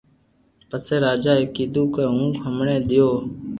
پسي راجا اي ڪيدو ڪو ھون ھمڙي ديو